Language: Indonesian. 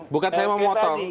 bukan saya mau memotong